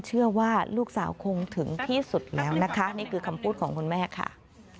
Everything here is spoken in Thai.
เชื่อว่าลูกสาวคงถึงที่สุดแล้วนะคะนี่คือคำพูดของคุณแม่ค่ะ